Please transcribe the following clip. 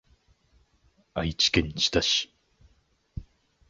愛知県知多市